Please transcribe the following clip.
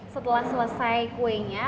setelah selesai kuenya